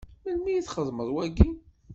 Melmi i txedmeḍ wagi?